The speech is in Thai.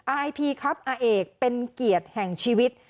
อายพีครับอาเอกเป็นเกียรติแห่งชีวิต